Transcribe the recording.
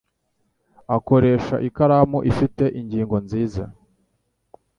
Akoresha ikaramu ifite ingingo nziza.